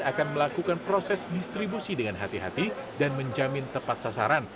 akan melakukan proses distribusi dengan hati hati dan menjamin tepat sasaran